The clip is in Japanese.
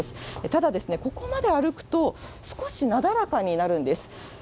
ただ、ここまで歩くと、少しなだらかになるんです。